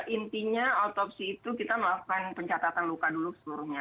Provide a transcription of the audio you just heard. intinya otopsi itu kita melakukan pencatatan luka dulu seluruhnya